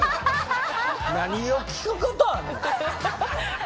何を聞くことあるん？